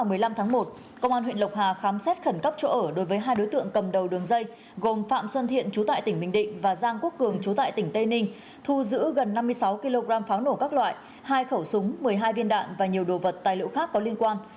vào ngày một mươi năm tháng một công an huyện lộc hà khám xét khẩn cấp chỗ ở đối với hai đối tượng cầm đầu đường dây gồm phạm xuân thiện chú tại tỉnh bình định và giang quốc cường trú tại tỉnh tây ninh thu giữ gần năm mươi sáu kg pháo nổ các loại hai khẩu súng một mươi hai viên đạn và nhiều đồ vật tài liệu khác có liên quan